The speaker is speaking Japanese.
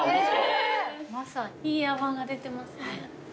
いい泡が出てますね。